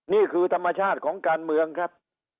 นี่คือธรรมชาติของการเมืองครับ